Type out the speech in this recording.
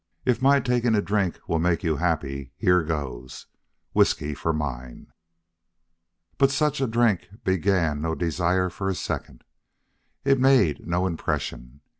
If my taking a drink will make you happy here goes. Whiskey for mine." But such a drink began no desire for a second. It made no impression.